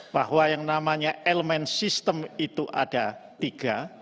bahwa yang namanya elemen system itu ada tiga